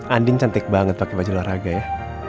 anding cantik banget pake baju luar raga ya